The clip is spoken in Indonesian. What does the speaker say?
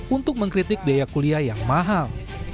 untuk mengkritik biaya kuliah yang mahal